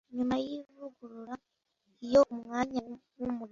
nyuma y ivugurura iyo umwanya w umurimo